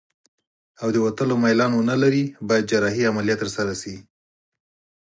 او د وتلو میلان ونلري باید جراحي عملیه ترسره شي.